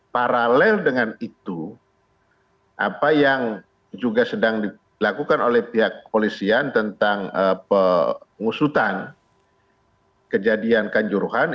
paralel dengan itu apa yang juga sedang dilakukan oleh pihak polisian tentang pengusutan kejadian kanjuruhan